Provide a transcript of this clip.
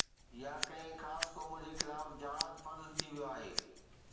يا ڪنهن خاص قوم جي خلاف جهاد فرض ٿي ويو آهي